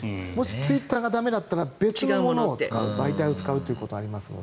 ツイッターが駄目だったら別のもの、媒体を使うということがありますので。